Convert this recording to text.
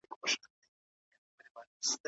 آیا ټولګی تر انګړ ارام وي؟